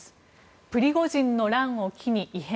プリゴジンの乱を機に異変。